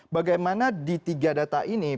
bagaimana di tiga data ini